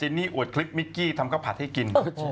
นี่อวดคลิปมิกกี้ทำข้าวผัดให้กิน